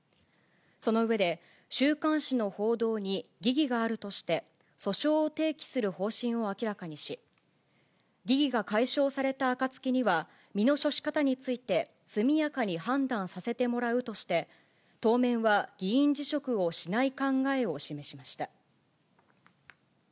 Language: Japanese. その上で、週刊誌の報道に疑義があるとして、訴訟を提起する方針を明らかにし、疑義が解消された暁には、身の処し方について、速やかに判断させてもらうとして、当面は議員辞職をしない考えを示しました。